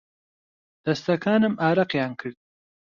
دەستەکانم ئارەقیان کرد.